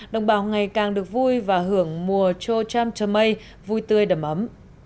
đồng bào ngày càng được vui và hưởng mùa cho cham tramay vui tươi đầm ấm